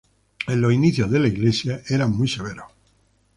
En los inicios de la Iglesia eran muy severos.